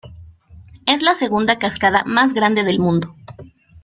Es la segunda cascada más grande del mundo.